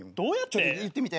ちょっと言ってみて。